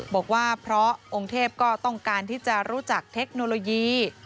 บอกว่าเพราะองค์เทพก็ต้องการที่จะรู้จักเทคโนโลยี